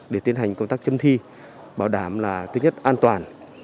để tiến hành công tác chấm thi bảo đảm là thứ nhất an toàn